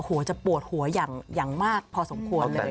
จะปวดหัวอย่างมากพอสมควรเลย